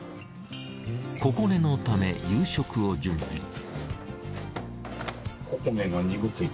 心寧のため夕食を準備。